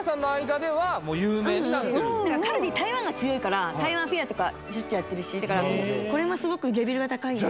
カルディ台湾が強いから台湾フェアとかしょっちゅうやってるしだからこれもすごくレベルが高いよね